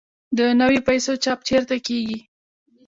د نویو پیسو چاپ چیرته کیږي؟